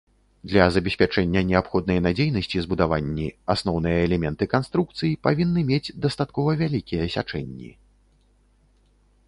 Для забеспячэння неабходнай надзейнасці збудаванні асноўныя элементы канструкцый павінны мець дастаткова вялікія сячэнні.